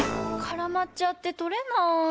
からまっちゃってとれない。